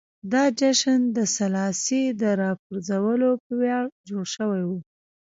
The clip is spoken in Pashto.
دا جشن د سلاسي د راپرځولو په ویاړ جوړ شوی و.